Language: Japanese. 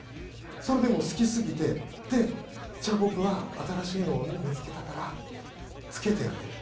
それで好きすぎてじゃあ僕は新しいのを見つけたからつけてあげる。